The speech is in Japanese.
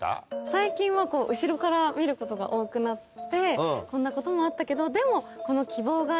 最近は後ろから見ることが多くなってこんなこともあったけどでもこの。